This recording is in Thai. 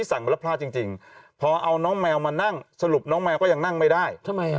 สั่งแบรทัลจริงพอเอาน้องแมวมานั่งสรุปน้องแมวก็ยังนั่งไม่ได้